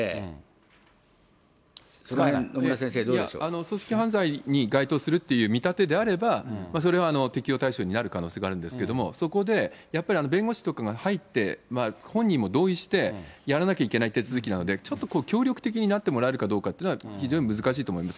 組織犯罪に該当するという見立てであれば、それは適用対象になる可能性があるんですが、そこでやっぱり弁護士とかが入って、本人も同意してやらなきゃいけない手続きなんで、ちょっと協力的になってもらえるかどうかというのは非常に難しいと思います。